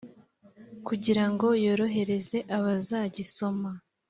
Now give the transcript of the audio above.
kugira ngo yorohereze abazagisoma